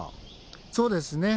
そうですね。